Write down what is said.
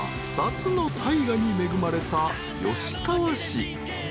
２つの大河に恵まれた吉川市］